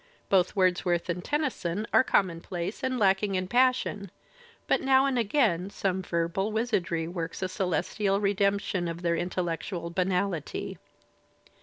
Both Wordsworth and Tennyson are commonplace and lack ing in passion, but now and again some verbal wizardry works a celestial redemption of their intellectual banality.